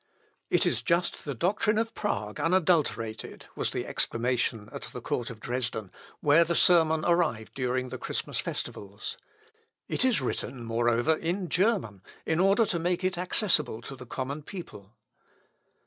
"It is just the doctrine of Prague unadulterated," was the exclamation at the Court of Dresden, where the sermon arrived during the Christmas festivals. "It is written, moreover, in German, in order to make it accessible to the common people."